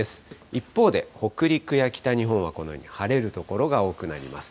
一方で、北陸や北日本はこのように晴れる所が多くなります。